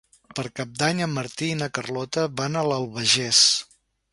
Per Cap d'Any en Martí i na Carlota van a l'Albagés.